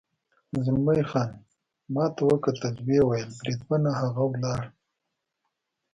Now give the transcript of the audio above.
زلمی خان ما ته وکتل، ویې ویل: بریدمنه، هغه ولاړ.